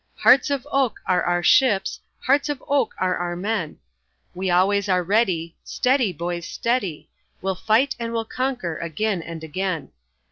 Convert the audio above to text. Hearts of oak are our ships, hearts of oak are our men, We always are ready, Steady, boys, steady, We'll fight and we'll conquer again and again.